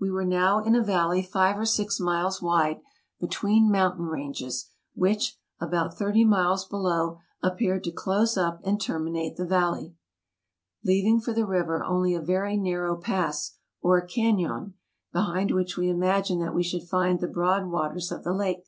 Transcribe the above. We were now in a valley five or six miles wide, between mountain ranges, which, about thirty miles below, appeared to close up and terminate the valley, leaving for the river only a very narrow pass, or canon, be hind which we imagined that we should find the broad waters of the lake.